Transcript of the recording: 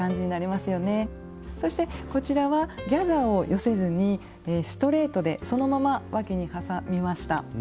そしてこちらはギャザーを寄せずにストレートでそのままわきにはさみました。